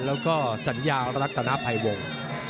แล้วก็สัญญารัตนภัยวงศ์